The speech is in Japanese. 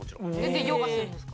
でヨガするんですか？